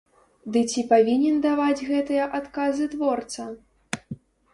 Ды ці павінен даваць гэтыя адказы творца?